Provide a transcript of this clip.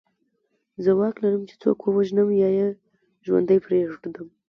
زه واک لرم چې څوک ووژنم یا یې ژوندی پرېږدم